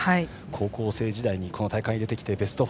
高校生時代にこの大会に出てきてベスト４。